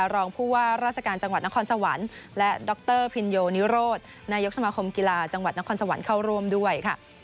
รองผู้ว่าราชการจังหวัดนครสวรรค์และดรพินโยนิโรธนายกสมาคมกีฬาจังหวัดนครสวรรค์เข้าร่วมด้วยค่ะ